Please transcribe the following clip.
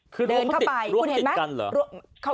คือร่วงเขาติดกันเหรอ